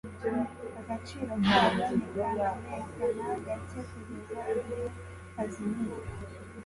agaciro kayo ntikamenyekana gake kugeza igihe kazimiye